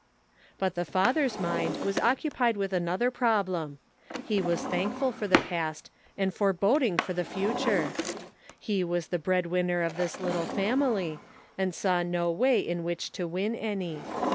But the father's mind was occupied with another problem ; he was thankful for the past, and foreboding for the future ! He was the bread winner of this little family, and saw no way in which to win any.